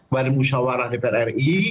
badan musyawarah dpr ri